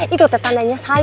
itu tetandanya sayur